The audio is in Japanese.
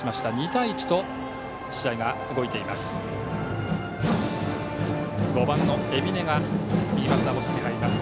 ２対１と試合が動いています。